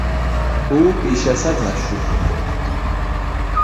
او بیش از حد مشروب میخورد.